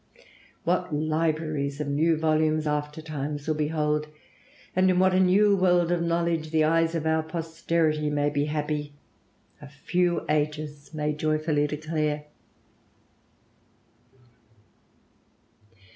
What libraries of new volumes after times will behold, and in what a new world of knowledge the eyes of our posterity may be happy, a few ages may joyfully declare."